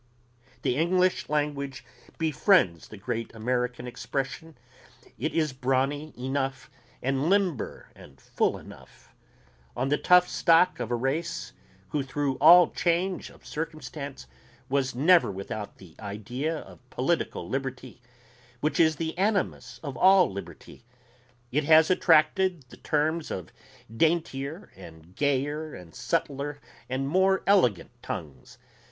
The English language befriends the grand American expression ... it is brawny enough and limber and full enough ... on the tough stock of a race who through all change of circumstance was never without the idea of political liberty, which is the animus of all liberty, it has attracted the terms of daintier and gayer and subtler and more elegant tongues.